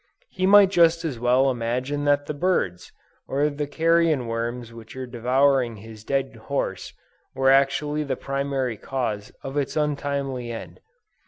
He might just as well imagine that the birds, or the carrion worms which are devouring his dead horse, were actually the primary cause of its untimely end.